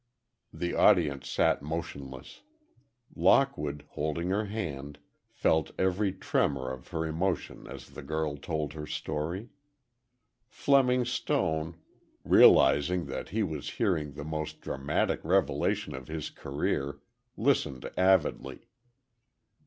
The audience sat motionless. Lockwood, holding her hand, felt every tremor of her emotion as the girl told her story. Fleming Stone, realizing that he was hearing the most dramatic revelation of his career, listened avidly.